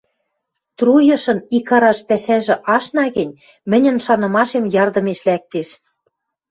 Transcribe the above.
Труйышын икараш пӓшӓжӹ ашна гӹнь, мӹньӹн шанымашем ярдымеш лӓктеш